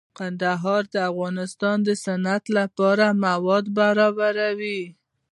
کندهار د افغانستان د صنعت لپاره مواد برابروي.